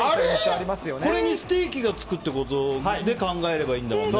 これにステーキがつくって考えればいいんだもんね。